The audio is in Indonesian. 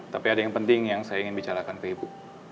tapi ada yang penting yang saya ingin bicarakan ke ibu